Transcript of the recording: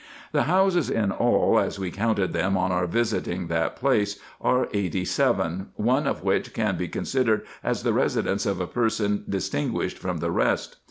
The houses in all, as we counted them on our visiting that place, are eighty seven, one only of which can be considered as the residence of a person distinguished from the rest.